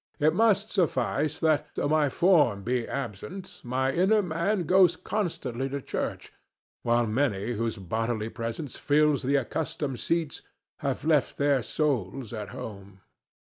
It must suffice that, though my form be absent, my inner man goes constantly to church, while many whose bodily presence fills the accustomed seats have left their souls at home.